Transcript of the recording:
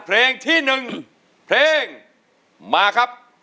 เพลงที่๑มาครับ